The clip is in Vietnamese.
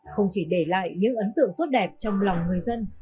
không chỉ để lại những ấn tượng tốt đẹp trong lòng người dân